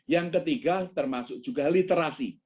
yang ketiga termasuk juga literasi